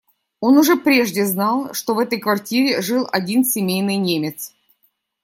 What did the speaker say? Он уже прежде знал, что в этой квартире жил один семейный немец.